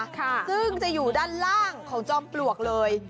ซึ่งจะอยู่ด้านล่างของจอมปลวกเลย